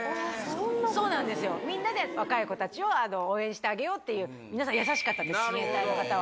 そうなんです、みんなで若い子たちを応援してあげようっていう、皆さん、優しかったんです、親衛隊の方は。